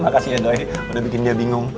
makasih ya doi udah bikin dia bingung